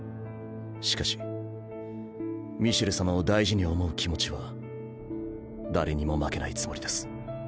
しかしミシェル様を大事に思う気持ちは誰にも負けないつもりです。